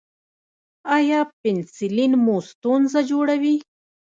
ایا پنسلین مو ستونزه جوړوي؟